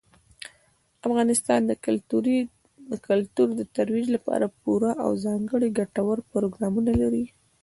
افغانستان د کلتور د ترویج لپاره پوره او ځانګړي ګټور پروګرامونه لري.